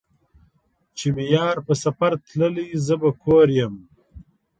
چې مې يار په سفر تللے زۀ به کور يم